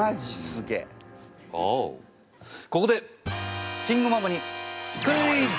ここで慎吾ママにクイズ！！